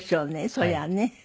そりゃね。